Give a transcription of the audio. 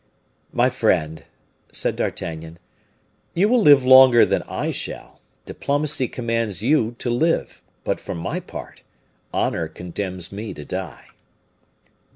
"My friend," said D'Artagnan, "you will live longer than I shall: diplomacy commands you to live; but, for my part, honor condemns me to die."